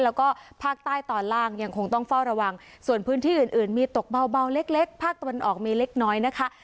แล้วก็ภาคใต้ตอนล่างยังคงต้องเฝ้าระวังส่วนพื้นที่อื่นมีตกเบาเล็กภาคตะวันออกมีเล็กน้อยนะคะ